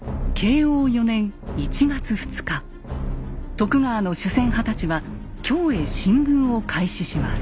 徳川の主戦派たちは京へ進軍を開始します。